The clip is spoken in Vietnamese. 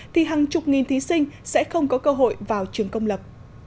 thì hàng chục nghìn thí sinh sẽ không có cơ hội vào trường công lập